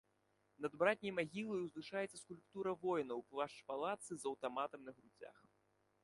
Над братняй магілай узвышаецца скульптура воіна ў плашч-палатцы з аўтаматам на грудзях.